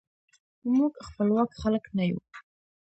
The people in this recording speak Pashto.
موږ خپواک خلک نه یو.